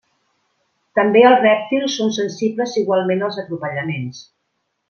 També els rèptils són sensibles igualment als atropellaments.